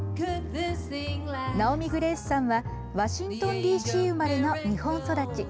ナオミ・グレースさんはワシントンＤＣ生まれの日本育ち。